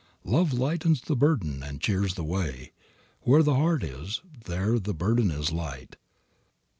Love lightens the burden and cheers the way. Where the heart is, there the burden is light.